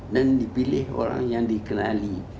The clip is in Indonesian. dan dipilih orang yang dikenali